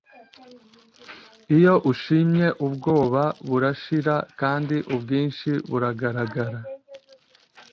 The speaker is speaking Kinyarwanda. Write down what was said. iyo ushimye ubwoba burashira kandi ubwinshi bugaragara